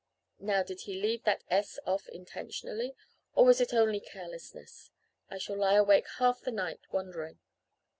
Now, did he leave that 's' off intentionally or was it only carelessness? I shall lie awake half the night wondering.